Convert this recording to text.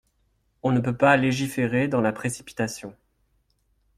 On ne peut pas légiférer dans la précipitation.